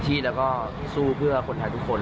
ช่วยกันสู้เพื่อนน้อง